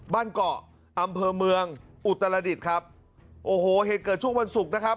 บ้านเกาะอำเภอเมืองอุตรดิษฐ์ครับโอ้โหเหตุเกิดช่วงวันศุกร์นะครับ